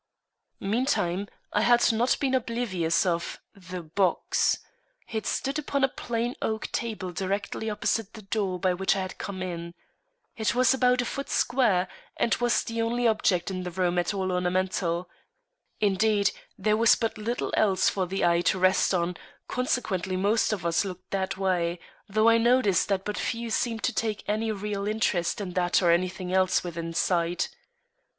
Meantime, I had not been oblivious of the box. It stood upon a plain oak table directly opposite the door by which I had come in. It was about a foot square, and was the only object in the room at all ornamental. Indeed, there was but little else for the eye to rest on, consequently most of us looked that way, though I noticed that but few seemed to take any real interest in that or anything else within sight.